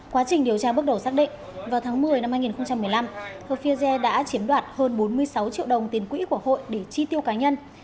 quá trình điều tra bước đầu xác định vào tháng một mươi năm hai nghìn một mươi năm hợp phiager đã chiếm đoạt hơn bốn mươi sáu triệu đồng tiền quỹ của hội để chi tiêu cá nhân